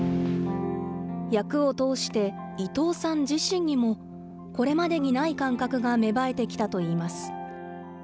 役を通して、伊藤さん自身にも、これまでにない感覚が芽生えてきたといいます。